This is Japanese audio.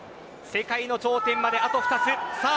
世界の頂点まであと２つ。